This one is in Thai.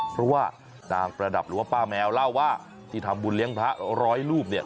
เพราะว่านางประดับหรือว่าป้าแมวเล่าว่าที่ทำบุญเลี้ยงพระร้อยรูปเนี่ย